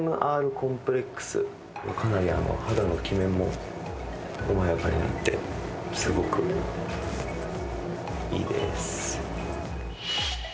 これかなり肌のキメも細やかになってすごくいいです。